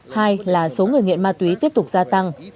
hai là số người nghiện ma túy tiếp tục gia tăng